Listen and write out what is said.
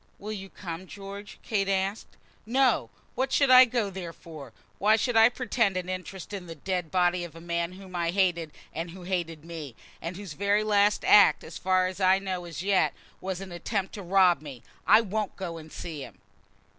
"Will you come, George?" Kate asked. "No; what should I go there for? Why should I pretend an interest in the dead body of a man whom I hated and who hated me; whose very last act, as far as I know as yet, was an attempt to rob me? I won't go and see him."